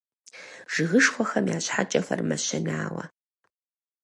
Жыгышхуэхэм я щхьэкӀэхэр мэщэнауэ.